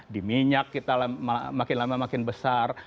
di minyak kita makin lama makin besar